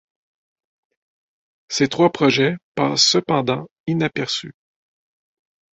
Ces trois projets passent cependant inaperçus.